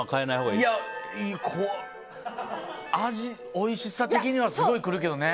いや味、おいしさ的にはすごくるけどね。